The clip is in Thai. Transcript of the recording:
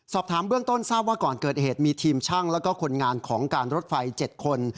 สอบถามเบื้องต้นทราบว่าก่อนเกิดเหตุมีทีมช่างแล้วก็คนงานของการรถไฟ๗คน